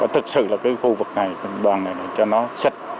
thực sự là cái khu vực này đoàn này này cho nó sạch